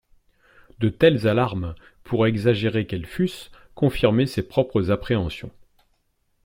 De telles alarmes pour exagérées qu'elles fussent, confirmaient ses propres appréhensions.